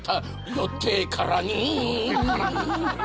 よってからに？